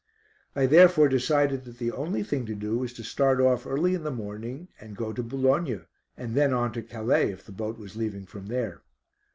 I therefore decided that the only thing to do was to start off early in the morning and go to Boulogne, and then on to Calais, if the boat was leaving from there.